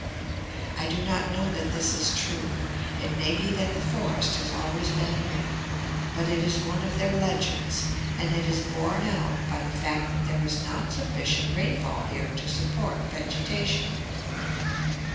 I do not know that this is true. It may be that the forest has always been here, but it is one of their legends and it is borne out by the fact that there is not sufficient rainfall here to support vegetation.